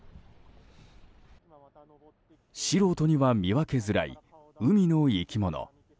素人には見分けづらい海の生き物。